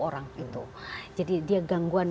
orang itu jadi dia gangguan